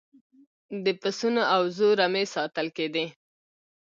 د پسونو او وزو رمې ساتل کیدې